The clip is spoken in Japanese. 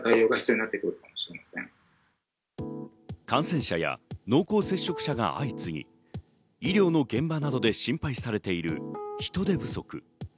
感染者や濃厚接触者が相次ぎ、医療の現場などで心配されている人手不足。